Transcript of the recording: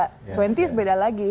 dua puluh 's beda lagi